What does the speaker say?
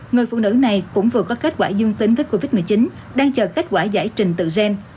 người phụ nữ này cũng vừa có kết quả dương tính với covid một mươi chín đang chờ kết quả giải trình tự gen